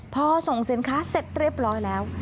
พอส่งสินค้าเสร็จเรียบร้อยแล้ว